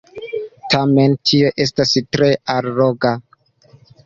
Tamen tio estis tre alloga!